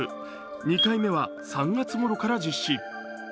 ２回目は３月ごろから実施。